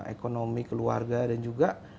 ekonomi keluarga dan juga